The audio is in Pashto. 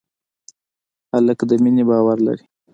هلک د مینې باور لري.